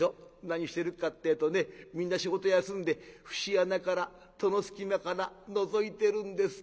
何してるかってぇとねみんな仕事休んで節穴から戸の隙間からのぞいてるんです。